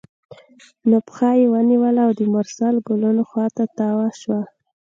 نو پښه یې ونیوله او د مرسل ګلونو خوا ته تاوه شوه.